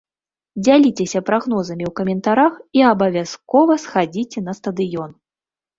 Дзяліцеся прагнозамі ў каментарах і абавязкова схадзіце на стадыён!